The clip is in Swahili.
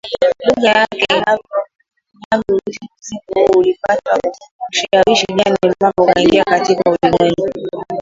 lugha yake anavyouita muziki huu Ulipata ushawishi gani mpaka ukaingia katika ulimwengu